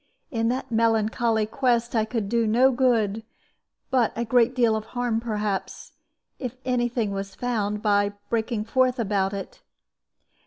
In that melancholy quest I could do no good, but a great deal of harm, perhaps, if any thing was found, by breaking forth about it.